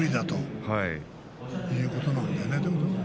そういうことなんだよね。